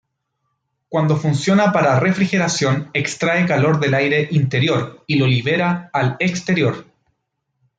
Cuando funciona para refrigeración, extrae calor del aire interior y lo libera al exterior.